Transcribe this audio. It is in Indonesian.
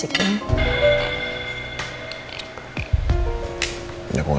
ya aku gak datang